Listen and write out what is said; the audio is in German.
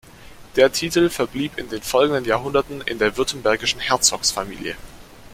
Der Titel verblieb in den folgenden Jahrhunderten in der württembergischen Herzogsfamilie.